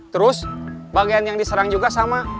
terus bagian yang diserang juga sama